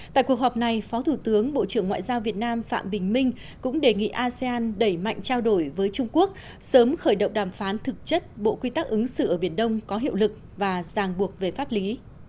tại cuộc họp này phó thủ tướng bộ trưởng ngoại giao việt nam phạm bình minh cũng đề nghị asean đẩy mạnh trao đổi với trung quốc sớm khởi động đàm phán thực chất bộ quy tắc ứng xử ở biển đông có hiệu lực và giàng buộc về pháp lý